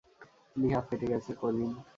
প্লীহা ফেটে গেছে, কলিন।